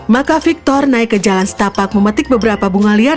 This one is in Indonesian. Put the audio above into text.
maka victor naik ke jalan setapak memetik beberapa bunga liar